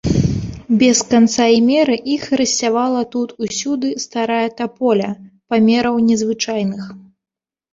Без канца і меры іх рассявала тут усюды старая таполя, памераў незвычайных.